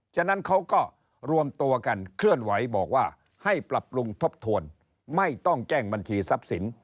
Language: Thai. ฉะนั้นเขาก็รวมตัวกันเคลื่อนไหวบอกว่าให้ปรับปรุงทบทวนไม่ต้องแจ้งบัญชีทรัพย์สิน